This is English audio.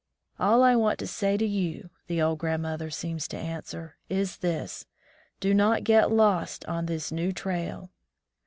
"All I want to say to you," the old grand mother seems to answer, "is this: Do not get lost on this new trail."